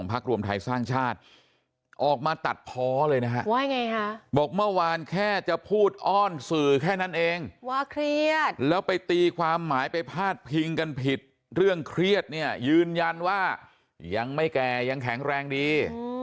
พักรวมไทยสร้างชาติออกมาตัดเพาะเลยนะฮะว่าไงคะบอกเมื่อวานแค่จะพูดอ้อนสื่อแค่นั้นเองว่าเครียดแล้วไปตีความหมายไปพาดพิงกันผิดเรื่องเครียดเนี่ยยืนยันว่ายังไม่แก่ยังแข็งแรงดี